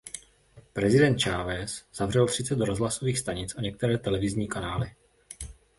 Prezident Chávez zavřel třicet rozhlasových stanic a některé televizní kanály.